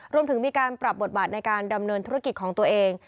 รวมถึงมีการปรับบทบาทในการดำเนินธุรกิจของตัวเอง